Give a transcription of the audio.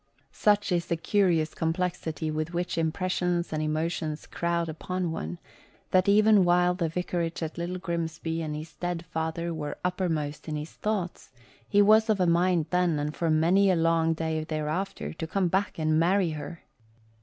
Such is the curious complexity with which impressions and emotions crowd upon one, that even while the vicarage at Little Grimsby and his dead father were uppermost in his thoughts, he was of a mind then and for many a long day thereafter to come back and marry her.